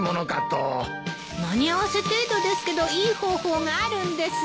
間に合わせ程度ですけどいい方法があるんですよ。